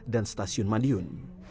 dan stasiun mandiun